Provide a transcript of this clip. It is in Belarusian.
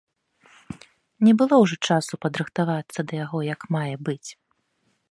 Не было ўжо часу падрыхтавацца да яго як мае быць.